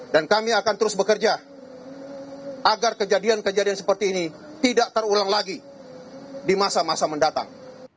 dan kami akan terus bekerja agar kejadian kejadian seperti ini tidak terulang lagi di masa masa mendatang